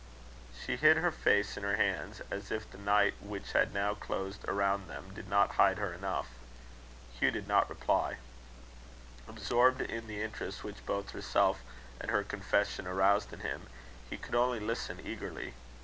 She hid her face in her hands, as if the night which had now closed around them did not hide her enough. Hugh did not reply. Absorbed in the interest which both herself and her confession aroused in him, he could only listen eagerly.